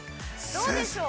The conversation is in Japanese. どうでしょう？